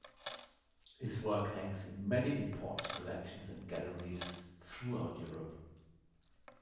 His work hangs in many important collections and galleries throughout Europe.